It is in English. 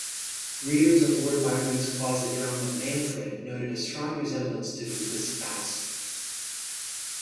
Readers of Lord Byron's closet drama "Manfred" noted a strong resemblance to Goethe's "Faust".